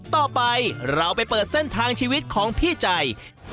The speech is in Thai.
ต่อไปเราไปเปิดเส้นทางชีวิตของพี่ใจ